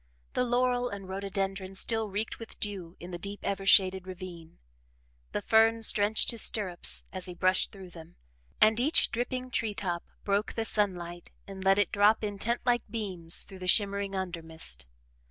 The laurel and rhododendron still reeked with dew in the deep, ever shaded ravine. The ferns drenched his stirrups, as he brushed through them, and each dripping tree top broke the sunlight and let it drop in tent like beams through the shimmering undermist.